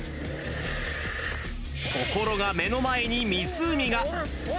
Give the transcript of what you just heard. ところが目の前に湖が。